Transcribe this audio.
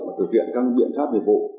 và thực hiện các biện pháp